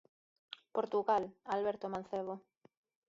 Portugal, Alberto Mancebo.